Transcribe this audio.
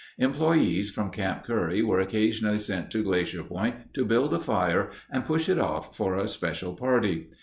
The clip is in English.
Employees from Camp Curry were occasionally sent to Glacier Point to build a fire and push it off for a special party.